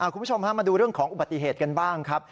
คุณผู้ชมมาดูเรื่องของอุบัติเหตุกันบ้างครับ